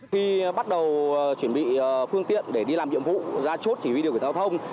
khi bắt đầu chuẩn bị phương tiện để đi làm nhiệm vụ ra chốt chỉ huy điều kiện giao thông